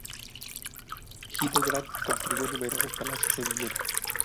Hildebrandt construyó numerosos palacios en Viena.